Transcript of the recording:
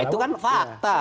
itu kan fakta